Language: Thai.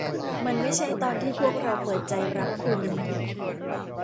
มันไม่ใช่ตอนที่พวกเราเปิดใจรับคุณ